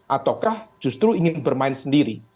ataukah justru ingin bermain sendiri